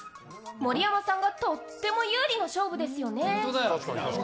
盛山さんがとっても有利な勝負ですよね。